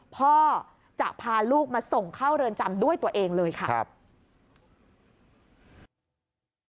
พ่อจะพาลูกมาส่งเข้าเรือนจำด้วยตัวเองเลยค่ะครับ